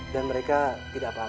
dan mereka tidak apa apa